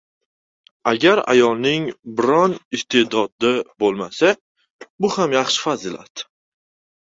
• Agar ayolning biron iste’dodi bo‘lmasa — bu ham yaxshi fazilat.